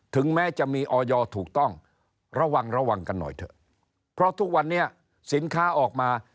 ถึงแม้จะมีออยถูกต้องระวังระวังกันหน่อยเถอะเพราะทุกวันนี้สินค้าออกมา